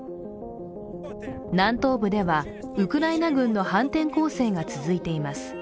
南東部では、ウクライナ軍の反転攻勢が続いています。